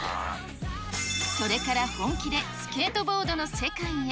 それから本気でスケートボードの世界へ。